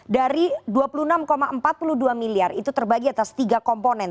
dari dua puluh enam empat puluh dua miliar itu terbagi atas tiga komponen